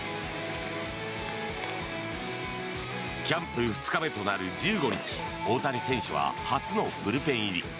キャンプ２日目となる１５日大谷選手は初のブルペン入り。